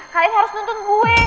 kalian harus nuntun gue